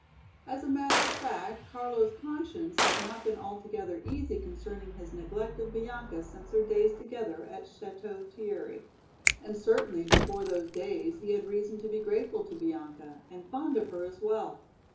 As a matter of fact Carlo's conscience had not been altogether easy concerning his neglect of Bianca since their days together at Château Thierry. And certainly before those days he had reason to be grateful to Bianca and fond of her as well!